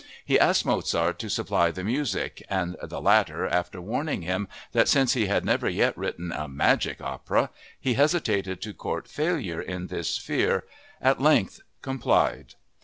He asked Mozart to supply the music, and the latter, after warning him that since he had never yet written a "magic opera" he hesitated to court failure in this sphere, at length complied.